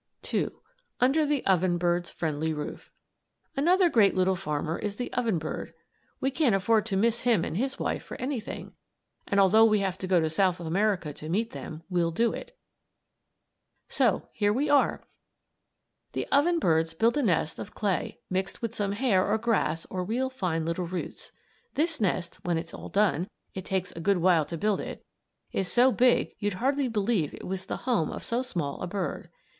II. UNDER THE OVEN BIRD'S FRIENDLY ROOF Another great little farmer is the oven bird. We can't afford to miss him and his wife for anything; and although we have to go to South America to meet them, we'll do it. So here we are! The oven birds build a nest of clay mixed with some hair or grass or real fine little roots. This nest, when it's all done it takes a good while to build it is so big you'd hardly believe it was the home of so small a bird.